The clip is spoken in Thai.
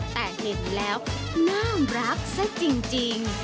แต่เห็นแล้วน่ารักซะจริง